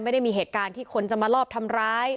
ไม่ได้มีเหตุการณ์ที่คนจะมาลอบทำร้าย